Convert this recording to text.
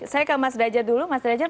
saya ke mas dajat dulu mas dajat